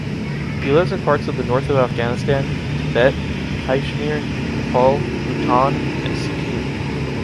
He lives in parts of the north of Afghanistan, Tibet, Caixmir, Nepal, Bhutan and Sikkim.